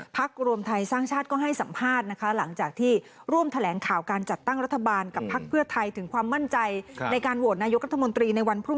พักรวมไทยสร้างชาติก็มาให้สัมภาษณ์นะฮะ